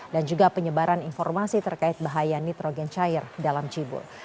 dan juga penyebaran informasi terkait bahaya nitrogen cair dalam cibul